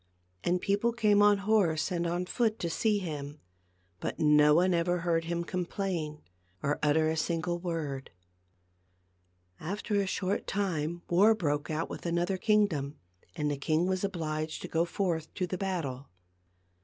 And people came on horse and on foot to see him, but no one ever heard him complain or utter a sin gle word. After a short time war broke out with another kingdom, and the king was obliged to go forth to the battle.